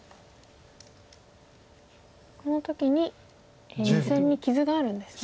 この時に２線に傷があるんですね。